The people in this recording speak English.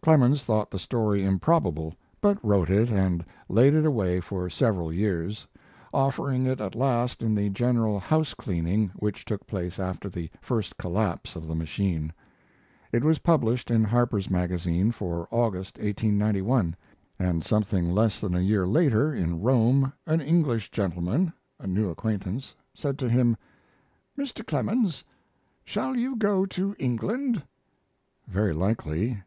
Clemens thought the story improbable, but wrote it and laid it away for several years, offering it at last in the general house cleaning which took place after the first collapse of the machine. It was published in Harper's Magazine for August, 1891, and something less than a year later, in Rome, an English gentleman a new acquaintance said to him: "Mr. Clemens, shall you go to England?" "Very likely."